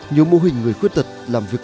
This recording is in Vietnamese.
nhiều mô hình người khuyết tật làm việc